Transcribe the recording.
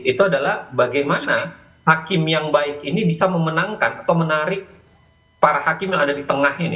itu adalah bagaimana hakim yang baik ini bisa memenangkan atau menarik para hakim yang ada di tengah ini